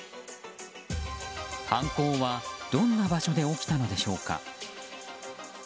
犯行はどんな場所で起きたのでしょうか。